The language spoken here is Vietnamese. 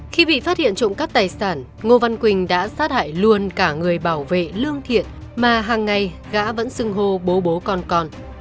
khi bị phát hiện trụng cắt tài sản ngô văn quỳnh đã sát hại luôn cả người bảo vệ lương thiện mà hàng ngày gã vẫn xưng hô bố bố con con